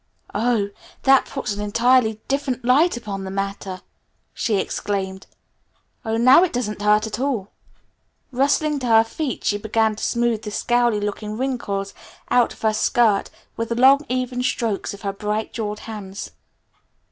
"Oh, that puts an entirely different light upon the matter," she exclaimed. "Oh, now it doesn't hurt at all!" Rustling to her feet, she began to smooth the scowly looking wrinkles out of her skirt with long even strokes of her bright jeweled hands.